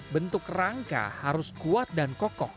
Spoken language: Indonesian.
bentuk rangka harus kuat dan kokoh